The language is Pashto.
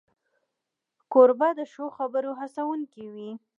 کوربه د ښو خبرو هڅونکی وي.